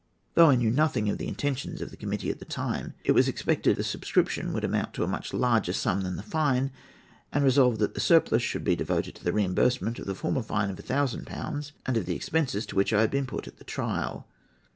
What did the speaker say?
Though I knew nothing of the intentions of the committee at the time, it was expected that the subscription would amount to a much larger sum than the fine, and resolved that the surplus should be devoted to the re imbursement of the former fine of 1000£ and of the expenses to which I had been put at the trial.